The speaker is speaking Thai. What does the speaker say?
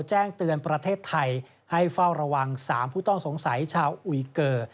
แจ้งเตือนประเทศไทยให้เฝ้าระวัง๓ผู้ต้องสงสัยชาวอุยเกอร์